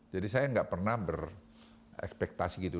jadi saya nggak pernah berekspektasi gitu